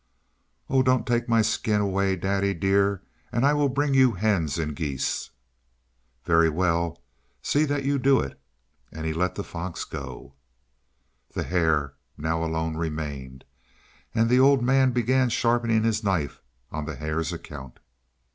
"Oh! Don't take my skin away, daddy dear, and I will bring you hens and geese." "Very well, see that you do it!" and he let the fox go. The hare now alone remained, and the old man began sharpening his knife on the hare's account.